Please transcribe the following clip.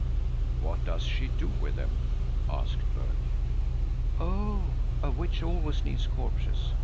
"What does she do with them?" asked Berg. "Oh, a witch always needs corpses.